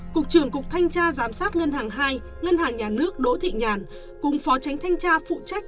cục trưởng cục thanh tra giám sát ngân hàng hai ngân hàng nhà nước đỗ thị nhàn cùng phó tránh thanh tra phụ trách